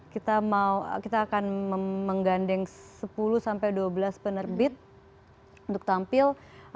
kita mau kita akan menggandeng sepuluh sampai dua belas penerbit untuk tampil